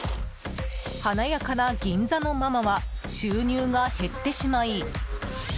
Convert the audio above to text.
華やかな銀座のママは収入が減ってしまい。